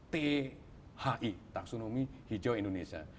thi taksonomi hijau indonesia